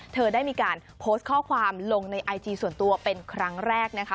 เธอได้มีการโพสต์ข้อความลงในไอจีส่วนตัวเป็นครั้งแรกนะคะ